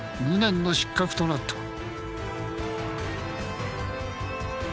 無念の失格となった。